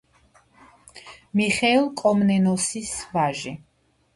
მიხეილ კომნენოსის ვაჟი.